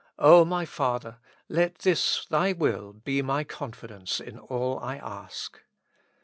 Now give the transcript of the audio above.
O my Father ! let this Thy will be my confidence in all I ask.